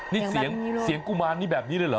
นี่เสียงกุมารนี่แบบนี้เลยเหรอ